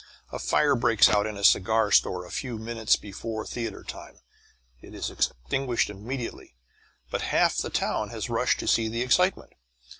A fire breaks out in a cigar store a few minutes before theatre time. It is extinguished immediately, but half the town has rushed down to see the excitement.